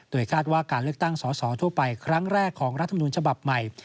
คาดว่าการเลือกตั้งสอสอทั่วไปครั้งแรกของรัฐมนุนฉบับใหม่